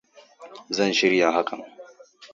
Zan shirya hakan.